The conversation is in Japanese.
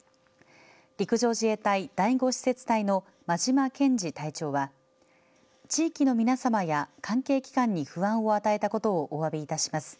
陸上自衛隊第５施設隊の間島健司隊長は地域の皆さまや関係機関に不安を与えたことをおわびいたします